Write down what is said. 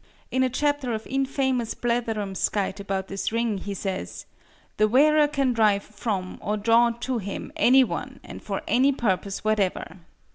In a chapter of infamous blatherumskite about this ring he says: "The wearer can drive from, or draw to him, any one, and for any purpose whatever."